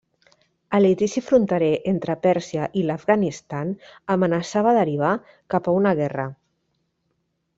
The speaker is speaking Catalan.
El litigi fronterer entre Pèrsia i l'Afganistan amenaçava derivar cap a una guerra.